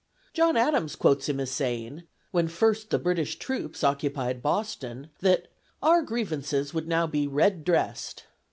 John Adams quotes him as saying, when first the British troops occupied Boston, that "our grievances would now be red dressed!"